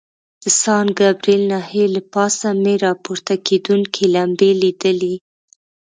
د سان ګبریل ناحیې له پاسه مې را پورته کېدونکي لمبې لیدلې.